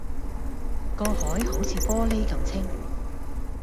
個海好似玻璃噉清